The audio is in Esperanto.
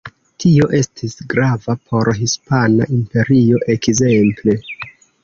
Tio estis grava por Hispana Imperio ekzemple.